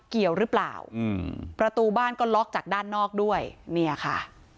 เกี่ยวหรือเปล่าอืมประตูบ้านก็ล็อกจากด้านนอกด้วยเนี่ยค่ะ